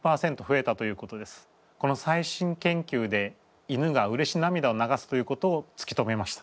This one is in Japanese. この最新研究で犬がうれし涙を流すということをつき止めました。